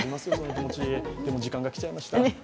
でも時間が来ちゃいました。